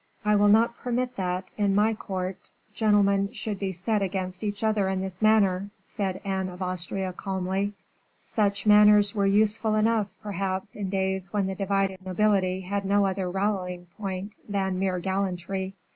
"I will not permit that, in my court, gentlemen should be set against each other in this manner," said Anne of Austria, calmly. "Such manners were useful enough, perhaps, in days when the divided nobility had no other rallying point than mere gallantry.